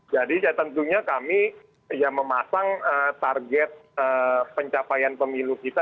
jadi ya tentunya kami ya memasang target pencapaian pemilu kita